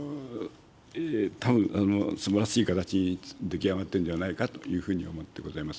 たぶん、すばらしい形に出来上がってるんじゃないかというふうに思ってございます。